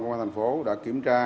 công an tp đã kiểm tra